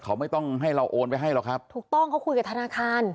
เขาไม่ต้องให้เราโอนไปให้หรอกครับถูกต้องเขาคุยกับธนาคาร